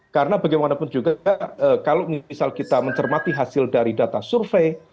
karena bagaimanapun juga kalau misal kita mencermati hasil dari data survei